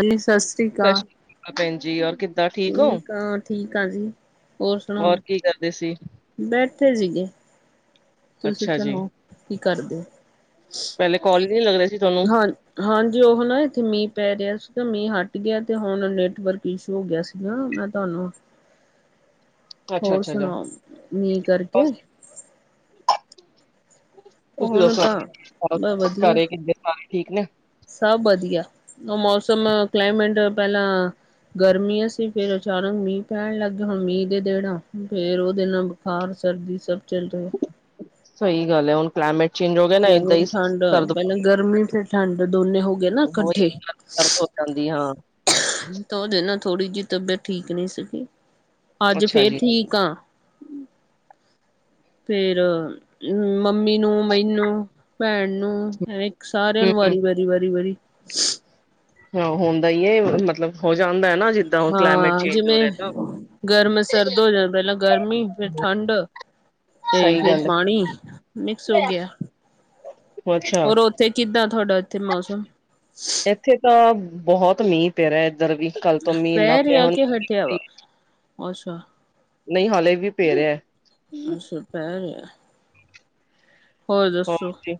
ਹਜੀ ਸਤਿ ਸ਼੍ਰੀ ਸਤਿ ਅਕਾਲ, ਸ਼੍ਰੀ ਅਕਾਲ ਭੈਣ ਜੀ, ਔਰ ਕਿੱਦਾਂ ਠੀਕ ਹੋ? ਠਕ ਆ ਠੀਕ ਆ ਜੀ। ਹੋਰ ਸੁਣਾਓ, ਕੀ ਕਰਦੇ ਸੀ? ਬੈਠੇ ਸੀਗੇ, ਤੁਸੀਂ ਅੱਛਾ ਜੀ, ਸੁਣਾਓ? ਕੀ ਕਰਦੇ ਹੋ। ਹਜੇ ਕਾਲਜ ਨਹੀਂ ਲੱਗ ਰਹੇ ਸੀ ਤੁਹਾਨੂੰ? ਹਾਂ, ਹਾਂਜੀ ਉਹ ਨਾ ਇੱਥੇ ਮੀਂਹ ਪੈ ਰਿਹਾ ਸੀਗਾ ਮੀਂਹ ਹੱਟ ਗਿਆ ਤੇ ਹੁਣ ਨੈਟਵਰਕ ਇਸ਼ੂ ਹੋ ਗਿਆ ਸੀ। ਮੈਂ ਤੁਹਾਨੂੰ [unintelligible] ਹੋਰ ਅੱਛਾ-ਅੱਛਾ, ਅੱਛਾ ਅੱਛਾ ਸੁਣਾ ਮੀਂਹ ਕਰਕੇ। ਬਸ [unintelligible] ਉਹ ਤੁਸੀਂ ਹੁਣ ਦੱਸੋ ਤਾਂ ਬ ਵਧੀਆ ਘਰੇ ਕਿ ਠੀਕ ਨੇ। ਸਭ ਵਧੀਆ ਉਹ ਮੌਸਮ ਕਲਾਈਮੇਟ ਪਹਿਲਾਂ ਗਰਮੀ ਅ ਸੀ ਫੇਰ ਅਚਾਨਕ ਮੀਂਹ ਪੈਣ ਲੱਗਿਆ ਮੀਂਹ ਦੇ ਦੇੜਾ ਫੇਰ ਉਹ ਦਿ ਨਾਲ ਬੁਖਾਰ ਸਰਦੀ ਸਭ ਚਲ ਰਹੇ। ਸਹੀ ਗੱਲ ਹੈ ਹੁਣ, ਕਲਾਈਮੇਟ ਚੇਂਜ ਹੋ ਗਿਆ ਨਾ ਇੱਦਾਂ ਹੀ ਠੰਡ ਸਰਦ ਪਹਿਲਾਂ ਗਰਮੀ ਫਿਰ ਠੰਡ ਦੋਨੇ ਹੋ ਗਏ ਨਾ ਇਕੱਠੇ ਜਾਂਦੀ ਹਾਂ ਤਾਂ ਉਹਦੇ ਨਾ ਥੋੜੀ ਜਿਹੀ ਤਬੀਅਤ ਠੀਕ ਨਹੀਂ ਸੀਗੀ ਅੱਜ ਅੱਛਾ ਫੇਰ ਜੀ। ਠੀਕ ਆ ਫੇਰ ਮੰਮੀ ਨੂੰ ਮੈਨੂੰ ਭੈਣ ਨੂੰ ਸਾਰਿਆਂ ਹੂੰ, ਨੂੰ ਹੂੰ ਵਾਰੀ ਵਾਰੀ ਵਾਰੀ ਵਾਰੀ ਹਾਂ, ਹੁੰਦਾ ਏ ਮਤਲਬ ਹੋ ਜਾਂਦਾ ਹੈ ਨਾ ਜਿੱਦਾਂ ਹੁਣ ਕਲਾਈਮੇਟ ਹਾਂ, ਚੇਂਜ ਹੋ ਜਿਵੇਂ ਰਿਹਾ ਤਾਂ। ਗਰਮ ਸਰਦ ਹੋ ਜਾਣਾ ਪਹਿਲਾਂ ਗਰਮੀ ਫੇਰ ਠੰਡ ਤੇ ਸਹੀ ਫਿਰ ਗੱਲ ਹੈ, ਪਾਣੀ ਮਿਕਸ ਹੋ ਗਿਆ ਅੱਛਾ ਔਰ ਉੱਥੇ ਕਿੱਦਾਂ ਤੁਹਾਡਾ ਇੱਥੇ ਮੌਸਮ ਇੱਥੇ ਤਾਂ ਬਹੁਤ ਮੀਂਹ ਪੈ ਰਿਹਾ ਇੱਧਰ ਵੀ ਕੱਲ ਤੋਂ ਮੀਂਹ ਪੈ ਇੰਨਾ ਪਿਆ ਰਿਹਾ ਹੁਣ ਕੇ ਹਟਿਆ ਵੀ- ਨਹੀਂ ਹਾਲੇ ਵੀ ਪੇ ਰਿਹਾ ਅੱਛਾ ਪੈ ਰਿਹਾ ਹੋਰ ਜ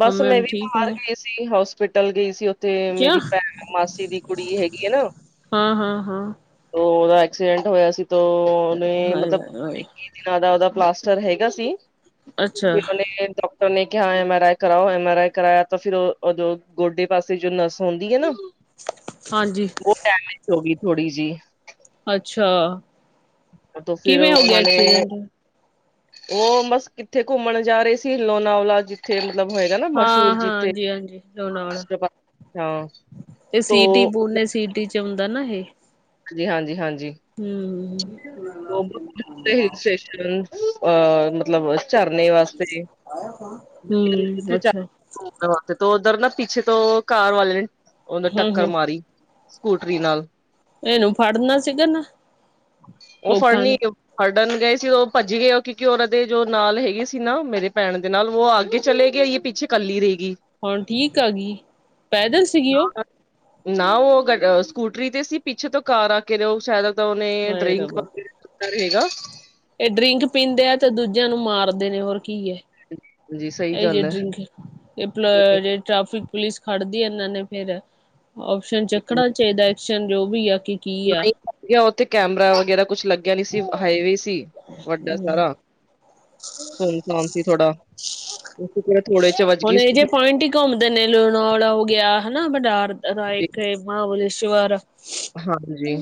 ਬਸ ਮੰਮੀ ਮੈਂ ਹੁਣ ਵੀ ਠੀਕ ਬਾਹਰ ਨੇ ਗਈ ਸੀ ਹੋਸਪਿਟਲ ਗਈ ਸੀ ਤੇ ਕਿਆ ਮੇਰੀ ਭੈਣ ਮਾਸੀ ਦੀ ਕੁੜੀ ਹੈਗੀ ਆ ਨਾ ਹਾਂ ਹਾਂ ਹਾਂ ਉਹਦਾ ਐਕਸੀਡੈਂਟ ਹੋਇਆ ਸੀ, ਤੋਂ ਉਹਨੇ ਹਾਏ ਮਤਲਬ ਹਾਏ ਹਾਏ ਨਾ ਦਾ ਉਹਦਾ ਪਲਾਸਟਰ ਹੈਗਾ ਸੀ। ਅੱਛਾ ਫਿਰ ਡਾਕਟਰ ਨੇ ਕਿਹਾ ਐਮ ਆਰ ਆਈ ਕਰਾਓ, ਐਮ ਆਰ ਆਈ ਕਰਾਇਆ ਤਾਂ ਫਿਰ ਦੋਂ ਗੋਡੇ ਵਸੀ ਜਿਨਾਂ ਸੌ ਦੀ ਐ ਨਾ ਹਾਂਜੀ ਉਹ ਡੈਮੇਜ ਹੋ ਗਈ ਥੋੜੀ ਜੀ ਅੱਛਾ ਤੋਂ, ਫਿਰ ਕਿਵੇਂ ਹੋ ਗਿਆ ਉਹਨਾਂ ਨੇ ਐਕਸੀਡੈਂਟ ਉਹ ਬਸ ਕਿੱਥੇ ਘੁੰਮਣ ਜਾ ਰਹੇ ਸੀ, ਲੋਨਾਵਲਾ ਜ ਇੱਥੇ ਮਤਲਬ ਹੋਏਗਾ ਨਾ ਹਾਂ ਮਸ਼ਹੂਰ, ਹਾਂ ਜਿੱਥੇ ਹਾਂਜੀ ਹਾਂਜੀ ਲੋਨਾਵਲਾ ਰਾਸ਼ਟਰਪਤੀ ਹਾਂ ਤੇ ਤੋ ਸਿਟੀ ਪੋਨੇ ਸਿਟੀ ਚ ਆਉਂਦਾ ਨਾ ਇਹੇ ਜੀ ਹਾਂਜੀ ਹਾਂਜੀ ਹੂੰ ਅਹ ਮਤਲਬ ਝਰਨੇ ਵਾਸਤੇ ਹੂੰ ਅੱਛਾ ਕਰਵਾਤੇ ਤੋ ਉਧਰ ਨਾ ਪਿੱਛੇ ਤੋਂ ਕਾਰ ਵਾਲੇ ਨੇ ਉਨ੍ਹੇ ਹੂੰ ਟੱਕਰ ਹੂੰ ਮਾਰੀ ਸਕੂਟਰੀ ਨਾਲ ਇਹਨੂੰ ਫੜਨਾ ਸੀਗਾ ਨਾ ਉਹ ਲੋਕਾਂ ਫੜਨੀ ਨੇ ਹੜਨ ਗਏ ਸੀ ਭੱਜ ਗਏ ਕਿਉਂਕਿ ਉਹਨਾਂਦੇ ਜੋ ਨਾਲ ਹੈਗੇ ਸੀ ਨਾ ਮੇਰੇ ਭੈਣ ਦੇ ਨਾਲ ਉਹ ਆਗੇ ਚਲੇ ਗਏ ਪਿੱਛੇ ਇਕੱਲੀ ਰਹੇਗੀ ਹੁਣ ਠੀਕ ਆ ਗਈ, ਪੈਦਲ ਸੀਗੀ ਉਹ? ਨਾ ਉਹ ਗਾਗ ਸਕੂਟਰੀ ਤੇ ਸੀ, ਪਿੱਛੇ ਤੋਂ ਕਾਰ ਆ ਕੇ ਨੇ ਉਹ ਸ਼ਾਇਦ ਤਾਂ ਉਹਨੇ ਹਾਏ ਰੱਬਾ ਤਾ ਰਹੇਗਾ ਇਹ ਡਰਿੰਕ ਪੀਂਦੇ ਆ, ਤੇ ਦੂਜਿਆਂ ਨੂੰ ਮਾਰਦੇ ਨੇ ਹੋਰ ਕੀ ਏ ਜੀ ਸਹੀ ਇਹ ਜੇ ਗੱਲ ਡਰਿੰਕ ਏ ਪਂ ਹੈ ਟ੍ਰੈਫਿਕ ਪੁਲਿਸ ਖੜਦੀ ਐ, ਇਹਨਾਂ ਨੇ ਫਿਰ ਔਪਸ਼ਨ ਚੱਕਣਾ ਚਾਹੀਦਾ, ਐਕਸ਼ਨ ਜੋ ਵੀ ਆ, ਕਿ ਕੀ ਆ ਉੱਥੇ ਕੈਮਰਾ ਵਗੈਰਾ ਕੁਛ ਲੱਗਿਆ ਨੀ ਸੀ, ਹਾਈਵੇ ਸੀ ਵੱਡਾ ਸਾਰਾ ਸੁਨ ਸੂਨ ਸੀ, ਥੋੜਾ ਉਸ ਥੋੜੇ ਚ ਵਜਾ ਹੁਣ ਇਹ ਜਹੇ ਪੁਆਇੰਟ ਹੀ ਘੁੰਮ ਦੇ ਨੇ, ਲੁਣਾ ਵਾਲਾ ਹੋ ਗਿਆ ਹਨਾ ਬਟ [unintelligible] ਹਾਂਜੀ,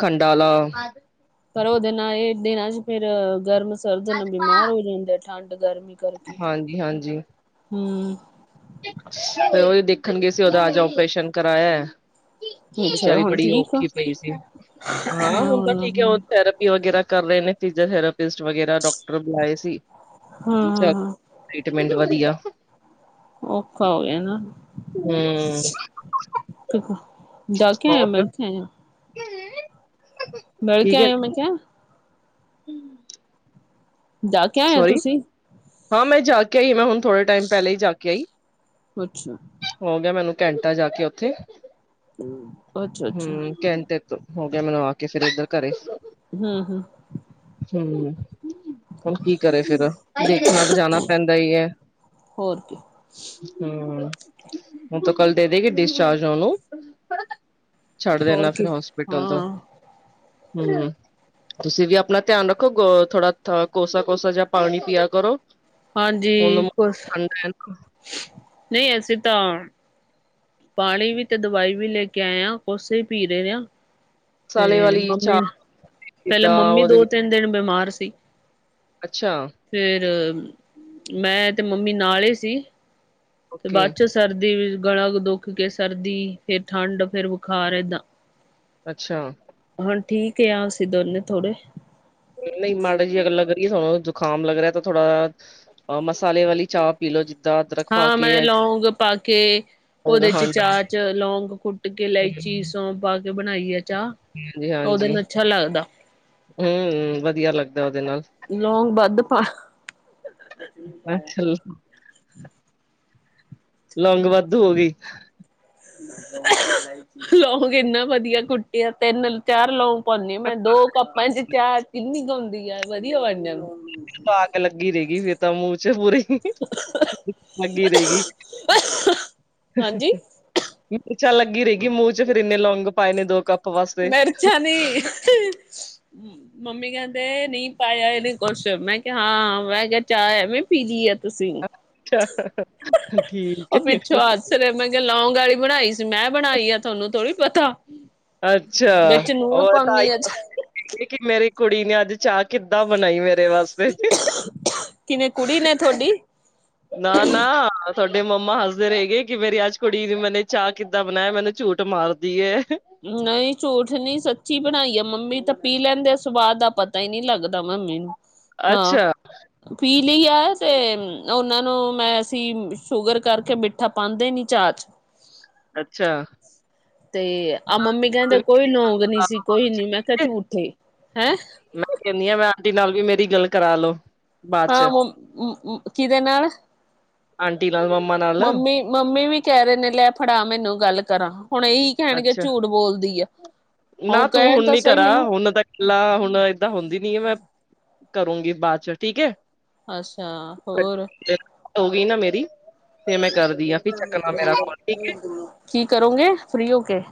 ਖੰਡਾ ਆਲਾ ਪਰ ਉਹਦੇ ਨਾਲ ਇਹ ਦਿਨਾਂ ਚ ਫੇਰ ਗਰਮ ਸਰਦ ਨਾਲ ਬਿਮਾਰ ਹੋ ਜਾਂਦੇ ਆ, ਠੰਡ ਗਰਮੀ ਕਰਕੇ ਹਾਂਜੀ ਹੂੰ ਫੇਰ ਉਹ ਹੀ ਦੇਖਣਗੇ ਸੀ, ਉਹਦਾ ਅੱਜ ਓਪਰੇਸ਼ਨ ਕਰਾਇਆ ਅੱਛਾ ਬਚਾਰੀ ਹੁਣ ਬੜੀ ਠੀਕ ਆ ਔਖੀ ਪਈ ਸੀ, ਹਾਂ ਹਾਂ ਹੁਣ ਤਾਂ ਠੀਕ ਐ, ਉਹ ਹਮ ਥੈਰਪ ਪੀ ਵਗੈਰਾ ਕਰ ਰਹੇ ਨੇ, ਫਿਜ਼ਓਥਰਾਪਿਸਟ ਵਗੈਰਾ ਡਾਕਟਰ ਬੁਲਾਏ ਸੀ। ਹਾਂ ਹਾਂ ਟਰੀਟਮੈਂਟ ਵਧੀਆ। ਔਖਾ ਹੋ ਗਿਆ ਨਾ। ਹੂੰ ਜਾ ਕੇ ਆਏ ਊ, ਮਿਲ ਕੇ ਆਏ ਊ। ਹੂੰ [inaudible] ਮਿਲ ਕੇ ਆਏ ਊ, ਮੈਂ ਕਿਹਾ? ਹੂੰ ਜਾ ਕੇ ਆਏ ਹੋ ਤੁਸੀਂ? ਹਾਂ ਮੈਂ ਜਾ ਕੇ ਆਈ, ਮੈਂ ਹਣ ਥੋੜੇ ਟਾਈਮ ਪਹਿਲੇ ਹੀ ਜਾ ਕੇ ਆਈ। ਅੱਛਾ‌ ਹੋ ਗਿਆ ਮੈਨੂੰ ਘੰਟਾ ਜਾ ਕੇ ਉੱਥੇ, ਅੱਛਾ ਅੱਛਾ ਹੂੰ ਘੰਟੇ ਹੋ ਗਿਆ ਮੈਨੂੰ ਆ ਕੇ, ਫੇਰ ਇੱਧਰ ਘਰੇ ਹੂੰ-ਹੂੰ। [unintelligible] ਹੂੰ ਹੁਣ ਕੀ ਕਰੇ ਫਿਰ ਦੇਖਣਾ ਤਾਂ ਜਾਣਾ ਪੈਂਦਾ ਹੀ ਹੈ। ਹੋਰ ਕੀ ਹ ਮ ਹੁਣ ਤਾਂ ਕੱਲ ਦੇ ਦੇਗੀ ਡਿਸਚਾਰਜ ਉਹਨੂੰ। ਛੱਡ ਹੋਰ ਦੇਣਾ ਫਿਰ ਕੀ ਹੋਸਪਿਟਲ ਤੋਂ। ਹਾਂ ਹ ਮ ਤੁਸੀਂ ਵੀ ਆਪਣਾ ਧਿਆਨ ਰੱਖੋ ਗੇੋ ਥੋੜਾ-ਥੋੜਾ। ਕੋਸਾ-ਕੋਸਾ ਜਾਂ ਪਾਣੀ ਪੀਆ ਕਰੋ। ਹਾਂਜੀ, ਹੁਣ ਕੁਛ ਠੰਡਾ ਨਾ ਨਹੀਂ ਅਸੀਂ ਤਾਂ ਪਾਣੀ ਵੀ ਤੇ ਦਵਾਈ ਵੀ ਲੈ ਕੇ ਆਏ ਹਾਂ ਕੋਸੇ ਹੀ ਪੀ ਰਹੇ ਆਂ। ਮਸਾਲੇ ਤੇ ਵਾਲੀ ਚਾਹ ਮੰਮੀ ਪਹਿਲਾਂ ਜਿੱਦਾਂ ਮੰਮੀ ਉਹਦੇ ਦੋ ਵਿੱਚ ਤਿੰਨ ਦਿਨ ਬਿਮਾਰ ਸੀ। ਅੱਛਾ। ਫੇਰ ਮੈਂ ਤੇ ਮੰਮੀ ਨਾਲ ਹੀ ਸੀ ਤੇ ਬਾਅਦ ਓਕੇ ਚ ਸਰਦੀ ਫਿਰ ਗਲ਼ਾ ਦੁੱਖ ਕੇ, ਸਰਦੀ ਫਿਰ ਠੰਡ ਫਿਰ ਬੁਖਾਰ ਏਦਾਂ। ਅੱਛਾ। ਹੁਣ ਠੀਕ ਅ ਅਸੀਂ ਦੋਨੇ ਥੋੜੇ। ਨਹੀਂ ਮਾੜਾ ਜੀ ਅਗਰ ਲੱਗ ਰਹੀ ਹੈ ਤੁਹਾਨੂੰ ਜੁਕਾਮ ਲੱਗ ਰਿਹਾ ਤਾਂ ਥੋੜਾ ਅ ਮਸਾਲੇ ਵਾਲੀ ਚਾਹ ਪੀ ਲੋਓ ਜਿੱਤ ਹਾਂ, ਮੈਂ ਲੌਂਗ ਪਾ ਕੇ ਲੌਂਗ ਉਹਦੇ ਚ ਹਾਂਜੀ, ਚਾਹ ਚ ਲੌਗ ਕੁੱਟ ਕੇ ਇਲਾਇਚੀ ਸੌਂ ਪਾ ਕੇ ਬਣਾਈ ਐ। ਜੀ ਹਾਂਜੀ ਹੂੰ, ਵਧੀਆ ਲੱਗਦਾ ਉਹਦੇ ਨਾਲ। ਲੌਗ ਵੱਧ ਪਾ ਮੈਂ ਚਲ। ਲੌਂਗ ਵਾਧੂ ਹੋ ਗਈ। ਲੌਂਗ ਇੰਨਾ ਵੱਧੀਆ ਕੁੱਟੀਆਂ ਤਿੰਨ ਚਾਰ ਲੌਂਗ ਪਾਉਨੀ ਆ ਮੈਂ ਦੋ ਕੱਪਾਂ ਚ ਚਾਹ ਕਿੰਨੀ ਕ ਹੁੰਦੀ ਆਂ ਵੱਧੀਆ ਬਣ ਜਾਂਦੀ। [unintelligible] ਲੱਗੀ ਰਹੇਗੀ ਫਿਰ ਤਾਂ ਮੂੰਹ ਚ ਪੂਰੀ। ਲੱਗੀ ਰਹੇਗੀ ਹ ਹਾਂਜੀ ਹ। ਮਿ ਮਿਰਚਾਂ ਲੱਗੀ ਰਹੇਗੀ ਮੂੰਹ ਚ ਫਿਰ ਇੰਨੇ ਲੌਂਗ ਪਾਏ ਨੇ ਦੋ ਕੱਪ। ਵਾਸਤੇ। ਮਿਰਚਾਂ ਨਹੀਂ। ਮੰਮੀ ਕਹਿੰਦੇ ਨਹੀਂ ਪਾਇਆ ਇਹਨੇ ਕੁੱਛ ਮੈਂ ਕਿਹਾ ਹਾਂ ਮੈਂ ਕਿਹਾ ਚਾਹ ਐਵੇ ਪੀ ਲੀ ਏ ਤੁਸੀਂ ਹ ਅੱਛਾ ਹ ਠੀਕ ਉਹ ਏ, ਪਿੱਛੋਂ ਹੱ ਸਵੇਰੇ ਮੈਂ ਕਿਹਾ ਲੌਂਗ ਵਾਲੀ ਬਣਾਈ ਸੀ ਮੈਂ ਬਣਾਈ ਆ ਤੁਹਾਨੂੰ ਥੋੜੀ ਪਤਾ। ਅੱਛਾ ਵਿੱਚ ਨੂਣ ਹੋਰ ਤਾਂ। ਪਾਉਣੀ [inaudible] ਆ [inaudible] ਇੱਕ-ਇੱਕ ਮੇਰੀ ਕੁੜੀ ਨੇ ਅੱਜ ਚਾਹ ਕਿੱਦਾਂ ਬਣਾਈ ਮੇਰੇ ਵਾਸਤੇ। ਕਿਵੇਂ ਕੁੜੀ ਨੇ ਤੁਹਾਡੀ। ਨਾ-ਨਾ ਸਾਡੇ ਮੰਮਾ ਹੱਸਦੇ ਰਹੇ ਗਏ ਕਿ ਮੇਰੀ ਅੱਜ ਕੁੜੀ [unintelligible] ਮੈਨੇ ਚਾਹ ਕਿੱਦਾਂ ਬਣਾਇਆ ਮੈਨੂੰ ਝੂਠ ਮਾਰ ਦੀਏ। ਨਹੀ ਝੂਠ ਨੀ ਸੱਚੀ ਬਣਾਈ ਏ ਮੰਮੀ ਤੇ ਪੀ ਲੈਂਦੇ ਸਵਾਦ ਦਾ ਪਤਾ ਹੀ ਨਹੀਂ ਲੱਗ [unintelligible] ਆਹ। ਅੱਛਾ, ਪੀ ਲਈ ਅ ਤੇ ਉਹਨਾਂ ਨੂੰ ਮੈਂ ਅਸੀ ਸ਼ੂਗਰ ਕਰਕੇ ਮਿੱ ਠਾ ਪਾਂਦੇ ਨਹੀਂ ਚਾ ਚ। ਅੱਛਾ। ਤੇ ਆਹ ਮੰਮੀ ਕਹਿੰਦੇ ਕੋਈ ਲੌਂਗ ਨੀ ਸੀ ਕੋਈ ਨੀ ਮੈਂ ਕਿਹਾ ਝੂਠੇ ਹੈਂ। ਕਹਿੰਦੀਆਂ ਮੈਂ ਆਂਟੀ ਨਾਲ ਵੀ ਮੇਰੀ ਗੱਲ ਕਰਾ ਲੋ। ਹਾਂ, ਮੰ ਮ ਮ ਕਿਹਦੇ ਨਾਲ। ਆਂਟੀ ਨਾਲ ਮੰਮਾ ਨਾਲ। ਮੰਮੀ ਮੰਮੀ ਵੀ ਕਹਿ ਰਹੇ ਨੇ ਲੈ ਫੜਾ ਮੈਨੂੰ ਗੱਲ ਕਰਾਂ ਹੁਣ ਇਹੀ ਕਹਿਣਗੇ ਅੱਛਾ ਝੂਠ ਬੋਲਦੀ ਆ, ਉਹ ਕਹਿਣ ਤਾਂ ਸਹੀ ਮੈਨੂੰ। ਲਾ ਹੁਣ ਏਦਾਂ ਹੁੰਦੀ ਨੀ ਏ ਮੈਂ ਕਰੂੰਗੀ ਬਾਅਦ ਚ ਠੀਕ ਏ। ਅੱਛਾ ਹੋਰ। ਹੋ ਗਈ ਨਾ ਮੇਰੀ ਫੇਰ ਮੈਂ ਕਰਦੀ ਆ ਫੇਰ ਚੱਕਣਾ ਮੇਰਾ ਫੋਨ ਠੀਕ ਹੈ। ਕੀ ਕਰੋਂਗੇ ਫਰੀ ਹੋ ਕੇ।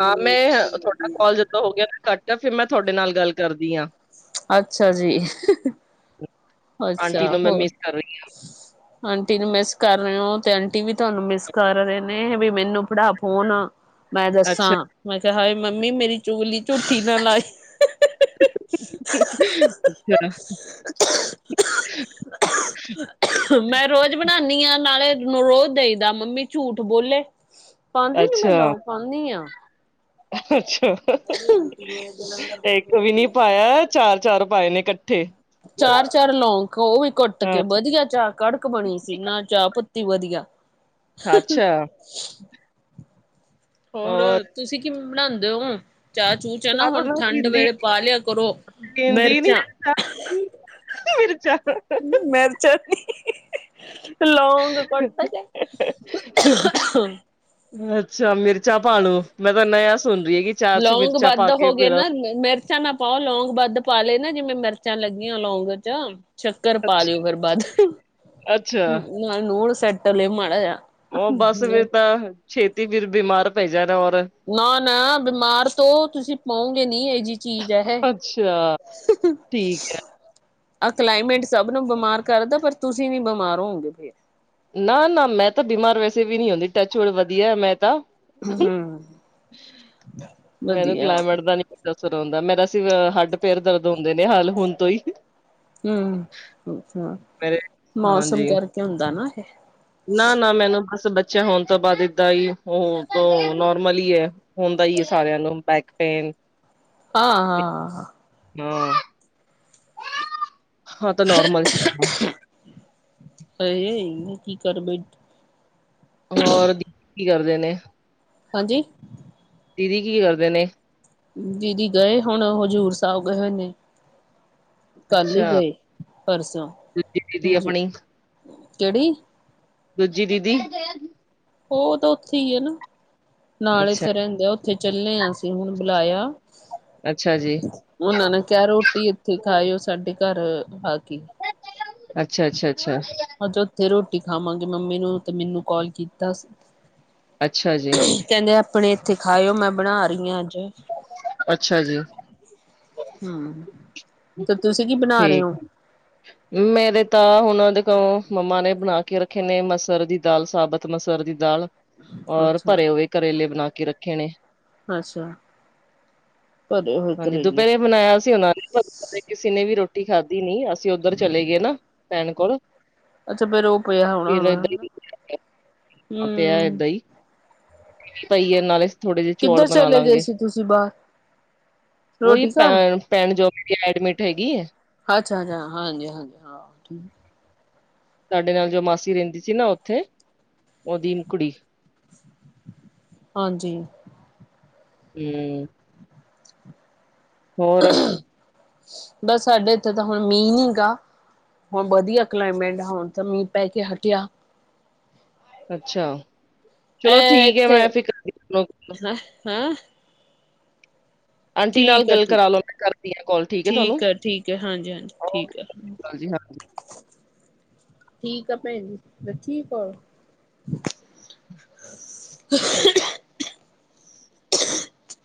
ਹਾਂ ਮੈਂ ਤੁਹਾਡਾ ਕੋਲ ਜਦੋਂ ਹੋ ਗਿਆ ਨਾ ਕੱਟ ਫਿਰ ਮੈਂ ਤੁਹਾਡੇ ਨਾਲ ਗੱਲ ਕਰਦੀ ਹਾਂ। ਅੱਛਾ ਜੀ ਅੱਛਾ ਆਂਟੀ ਨੂੰ ਮੈਂ ਹੋਰ। ਮਿਸ ਕਰ ਰਹੀ ਆਂਟੀ ਨੂੰ ਮਿਸ ਕਰ ਰਹੇ ਹੋ ਤੇ ਆਂਟੀ ਵੀ ਤੁਹਾਨੂੰ ਮਿਸ ਕਰ ਰਹੇ ਨੇ ਵੀ ਮੈਨੂੰ ਪੜ੍ਹਾ ਫੋਨ। ਮੈਂ ਦੱਸਾ ਅੱਛਾ ਮੈਂ ਕਿਹਾ ਹਾਏ ਮੰਮੀ ਮੇਰੀ ਚੁਗਲੀ ਝੂਠੀ ਨਾ ਲਾਈ। [unintelligible] ਮੈਂ ਰੋਜ਼ ਬਣਾਨੀ ਆ ਨਾਲੇ ਰੋਜ਼ ਦੇਈ ਦਾ ਮੰਮੀ ਝੂਠ ਬੋਲੇ ਪਾਦੀ ਨੀ ਮੈਂ ਅੱਛਾ ਲੌਂਗ ਪਾਨੀ ਹਾ। ਅੱਛਾ ਇੱਕ ਵੀ ਨੀ ਪਾਇਆ। ਚਾਰ-ਚਾਰ ਪਾਏ ਨੇ ਕੱਠੇ। ਚਾਰ-ਚਾਰ ਲੌਂਗ ਉਹ ਵੀ ਕੁੱਟ ਕੇ ਵਧੀਆ ਚਾ ਕੜਕ ਬਣੀ ਸੀ ਨਾ ਚਾ ਪੱਤੀ ਵਧੀਆ। ਅੱਛਾ ਹ ਹੋਰ ਤੁਸੀਂ ਕੀ ਬਣਾਦੇ ਹੋ ਚਾ ਚੂ। ਚ ਨਾ ਚਾਹ ਤਾਂ ਹੁਣ ਮੈਂ ਠੰਡ ਪੀਂਦੀ ਵੇਲੇ ਪਾ ਲਿਆ ਕਰੋ ਮਿਰਚਾਂ। ਚਾ ਮਿਰਚਾ ਨੀ। ਲੋਂਗ ਕੁੱਟ ਕੇ। ਅੱਛਾ ਮਿਰਚਾ ਪਾ ਲੋ ਮੈਂ ਤਾ ਨਯਾ ਸੁਣ ਰਹੀ ਹੈ ਕਿ ਚਾ ਚ ਮਿਰਚਾ ਪਾ ਕੇ ਪੀ ਲੋ। ਰਚਾ ਨਾ ਪਾਓ ਲੌਂਗ ਵੱਧ ਪਾ ਲਏ ਨਾ ਜਿਵੇਂ ਮਿਰਚਾਂ ਲੱਗੀਆ ਲੌਂਗ ਚ। ਸ਼ੱਕਰ ਪਾ ਅੱਛਾ ਲਿਓ ਫਿਰ ਵੱਧ ਅੱਛਾ ਨਾਲ ਨੂੰੜ ਸੈਟ ਲਏ ਮਾੜਾ ਜਿਹਾ। ਉਹ ਬਸ ਫਿਰ ਤਾਂ ਛੇਤੀ ਫਿਰ ਬਿਮਾਰ ਪੈ ਜਾਣਾ ਔਰ। ਨਾ-ਨਾ ਬਿਮਾਰ ਤੋਂ ਤੁਸੀਂ ਪਾਓਗੇ ਨੀ ਇਹ ਜੀ ਚੀਜ਼ ਹੈ। ਹਾਂ ਠੀਕ ਹੈ। ਆਹ ਕਲਾਈਮੇਟ ਸਭ ਨੂੰ ਬਿਮਾਰ ਕਰਦਾ ਪਰ ਤੁਸੀ ਨੀ ਬਿਮਾਰ ਹੋਗੇ ਫੇਰ। ਨਾ-ਨਾ ਮੈਂ ਤਾਂ ਬਿਮਾਰ ਵੈਸੇ ਵੀ ਨੀ ਹੁੰਦੀ ਟੱਚ ਵੁਡ ਵਧੀਆ ਮੈਂ ਤਾ। ਹਮ ਮੈਨੂੰ ਵਧੀਆ। ਕਲਾਈਮੇਟ ਦਾ ਨੀ ਅਸਰ ਹੁੰਦਾ ਮੇਰਾ ਸੀ ਹੱਡ ਪੇਰ ਦਰਦ ਹੁੰਦੇ ਨੇ ਹਾਲ ਹੁਣ ਤੋਂ ਹੀ। ਹਮ ਅੱਛਾ ਮੇਰੇ ਮੌਸਮ ਹਾਂਜੀ ਕਰਕੇ ਹੁੰਦਾ ਨਾ ਇਹ। ਨਾ-ਨਾ ਮੈਨੂੰ ਬਸ ਬੱਚਿਆਂ ਹੋਣ ਤੋਂ ਬਾਦ ਏਦਾਂ ਹੀ ਉਹ ਨੋਰਮਲ ਹੀ ਹੈ। ਹੁੰਦਾ ਹੀ ਹੈ ਸਾਰਿਆਂ ਨੂੰ ਬੈਕਪੇਨ ਹਾਂ-ਹਾਂ ਹਾਂ, ਹਾਂ ਤਾਂ ਨੋਰਮਲ ਚ ਅ ਕੀ ਕਰ ਬ ਹੋਰ ਦੀ ਕੀ ਕਰਦੇ ਨੇ। ਹਾਂਜੀ। ਦੀਦੀ ਕੀ ਕਰਦੇ ਨੇ? ਦੀਦੀ ਗਏ ਹੁਣ ਹਜ਼ੂਰ ਸਾਹਿਬ ਗਏ ਹੋਏ ਨੇ। ਕੱਲ ਹੀ ਅੱਛਾ ਗਏ ਪਰਸੋਂ ਦੂਜੀ ਦੀਦੀ ਹਾਂਜੀ ਆਪਣੀ ਕਿਹੜੀ ਦੂਜੀ ਦੀਦੀ ਉਹ ਤਾਂ ਉੱਥੇ ਹੀ ਹੈ ਨਾ ਨਾਲੇ [unintelligible] ਉੱਥੇ ਚੱਲੇ ਹਾਂ ਅਸੀਂ ਹੁਣ ਬੁਲਾਇਆ। ਅੱਛਾ ਜੀ। ਉਹਨਾਂ ਨੇ ਕਿਹਾ ਰੋਟੀ ਇੱਥੇ ਖਾਏ ਉਹ ਸਾਡੇ ਘਰ ਆ ਕੇ ਅੱਛਾ- ਅੱਛਾ -ਅੱਛਾ। ਅੱਜ ਉੱਥੇ ਰੋਟੀ ਖਾਵਾਂਗੇ ਮੰਮੀ ਨੂੰ ਤੇ ਮੈਨੂੰ ਕੋਲ ਕੀਤਾ ਸੀ। ਅੱਛਾ ਜੀ। ਕਹਿੰਦੇ ਆਪਣੇ ਇੱਥੇ ਖਾਓ ਮੈਂ ਬਣਾ ਰਹੀ ਹਾਂ ਅੱਜ ਅੱਛਾ ਜੀ ਹੂ,,, ਠੀਕ ਆ ਮੇਰੇ ਤਾਂ ਹੁਣ ਉਹ ਦੇ ਦਿਖਾਓ ਮੰਮਾ ਨੇ ਬਣਾ ਕੇ ਰੱਖੇ ਨੇ ਮਸਰ ਦੀ ਦਾਲ ਸਾਬਤ ਮਸਰ ਦੀ ਦਾਲ ਔਰ ਅੱਛਾ- ਭਰੇ ਹੋਏ ਕਰੇਲੇ ਬਣਾ ਕੇ ਰੱਖੇ ਨੇ ਅੱਛਾ ਭਰੇ ਹੋਏ ਹਾਂਜੀ ਕਰੇਲੇ। ਦੁਪਹਿਰੇ ਬਣਾਇਆ ਸੀ ਉਹਨਾ ਨੇ ਕਿਸੇ ਨੇ ਵੀ ਰੋਟੀ ਖਾਧੀ ਨੀ ਅਸੀਂ ਉੱਧਰ ਚਲੇ ਗਏ ਨਾ ਭੈਣ ਕੋਲ ਅੱਛਾ ਫਿਰ ਉਹ ਪਿਆ ਹੋਣਾ ਫਿਰ ਹੋਣਾ ਏਦਾਂ ਨਾ ਹੀ ਹੂ ਖਿਚੜੀ ਪਈ ਨਾਲੇ ਥੋੜੇ ਜਿਹੇ ਚੌਲ ਕਿੱਧਰ ਬਣਾ ਚਲੇ ਗਏ ਲਾਂਗੇ ਸੀ ਤੁਸੀਂ ਬਾਹਰ ਉਹੀ ਰੋਟੀ ਖਾਣ? ਪੈ ਪੈਣ ਜੋਗੇ ਐਡਮਿਟ ਹੈਗੀ ਹੈ। ਅੱਛਾ ਅੱਛਾ ਹਾਂਜੀ ਹਾਂਜੀ ਹਾਂ। ਸਾਡੇ ਨਾਲ ਜੋ ਮਾਸੀ ਰਹਿੰਦੀ ਸੀ ਨਾ ਉੱਥੇ ਉਹਦੀ ਕੁੜੀ ਹਾਂਜੀ ਹੂ,,, ਹੋਰ ਬਸ ਸਾਡੇ ਇੱਥੇ ਤਾਂ ਹੁਣ ਮੀਂਹ ਗਾ ਹੁਣ ਵਧੀਆ ਕਲਾਈਮੇਟ ਆ ਹੁਣ ਤਾਂ ਮੀਂਹ ਪੈ ਕੇ ਹਟਿਆ ਅੱਛਾ। ਚਲੋ ਇਹ ਠੀਕ ਹੈ ਇੱਥੇ ਮੈਂ ਫਿਰ ਕਰਦੀ ਹਾਂ ਤੁਹਾਨੂੰ ਹਾਂ। ਆਂਟੀ ਨਾਲ ਠੀਕ ਆ ਗੱਲ ਠੀਕ ਕਰਾ ਲਓ ਮੈਂ ਕਰਦੀ ਹਾਂ ਕਾਲ ਹੈ ਠੀਕ ਤੁਹਾਨੂੰ ਆ ਠੀਕ ਹੈ ਹਾਂਜੀ- ਹਾਂਜੀ ਠੀਕ ਓਕੇ ਆ। ਜੀ ਹਾਂ ਠੀਕ ਆ ਭੈਣ ਜੀ ਲੱਛੀ ਕੌਰ [unintelligible]